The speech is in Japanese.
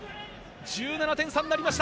１７点差になりました。